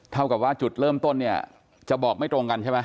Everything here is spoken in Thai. เท่ากับว่าจุดเริ่มต้นเนี่ยจะบอกไม่ตรงกันใช่ไหม